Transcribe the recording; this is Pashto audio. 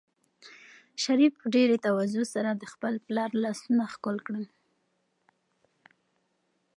شریف په ډېرې تواضع سره د خپل پلار لاسونه ښکل کړل.